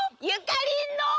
ゆかりんの！